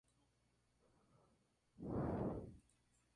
Ingeniero en minas y político socialista chileno.